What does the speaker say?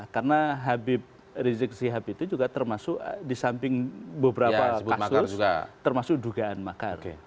karena rezeki siap itu juga termasuk di samping beberapa kasus termasuk dugaan makar